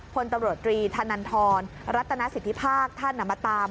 พลตำรวจตรีธนันทรรัตนสิทธิภาคท่านมาตาม